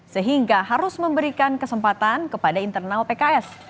sehingga harus memberikan kesempatan kepada internal pks